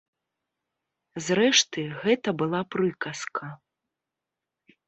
Зрэшты, гэта была прыказка.